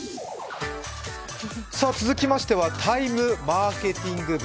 続きましては「ＴＩＭＥマーケティング部」